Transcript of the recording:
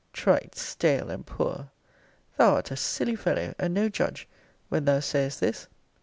Trite, stale, and poor! Thou art a silly fellow, and no judge, when thou sayest this.